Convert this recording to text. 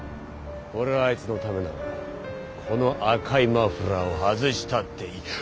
俺はあいつのためならこの赤いマフラーを外したっていい。